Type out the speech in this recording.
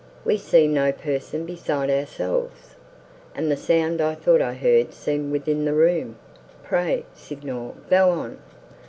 "We see no person besides ourselves; and the sound I thought I heard seemed within the room. Pray, Signor, go on."